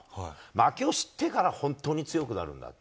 負けを知ってから、本当に強くなるんだって。